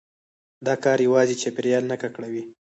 دا کار يوازي چاپېريال نه ککړوي،